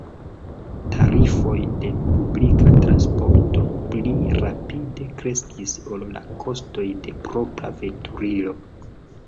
Tarifoj de publika transporto pli rapide kreskis ol la kostoj de propra veturilo.